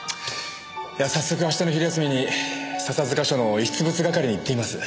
早速明日の昼休みに笹塚署の遺失物係に行ってみます。